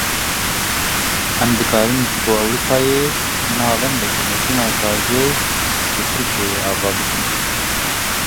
Em dikarin ji bo Ewropayê navendeke mezin a gazê li Tirkiyeyê ava bikin.